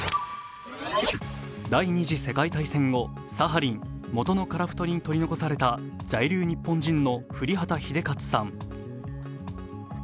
第二次世界大戦後、サハリン、元の樺太に取り残された残留日本人の降旗英捷さん。